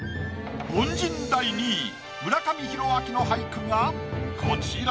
凡人第２位村上弘明の俳句がこちら。